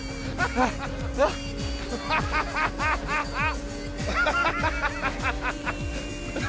アハハハハハハ！